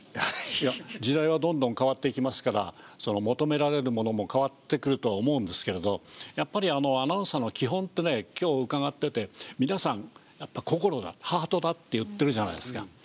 時代はどんどん変わっていきますから求められるものも変わってくるとは思うんですけれどやっぱりアナウンサーの基本ってね今日伺ってて皆さんやっぱり心だハートだって言ってるじゃないですか。